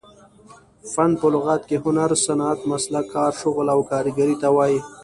فن په لغت کښي هنر، صنعت، مسلک، کار، شغل او کاریګرۍ ته وايي.